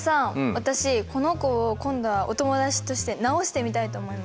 私この子を今度はお友達として直してみたいと思います。